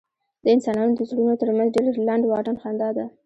د انسانانو د زړونو تر منځ ډېر لنډ واټن خندا ده.